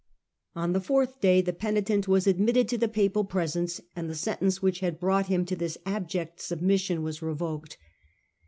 On the fourth day the penitent was admitted to the Papal presence and the sentence which had brought him to this abject submission was revoked.